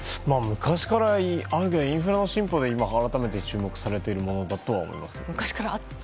昔からあってインフラの進歩で改めて注目されているものだとは思います。